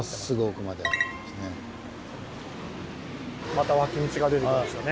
また脇道が出てきましたね。